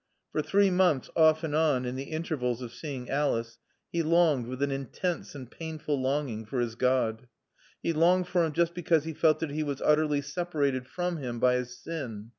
For three months, off and on, in the intervals of seeing Alice, he longed, with an intense and painful longing, for his God. He longed for him just because he felt that he was utterly separated from him by his sin.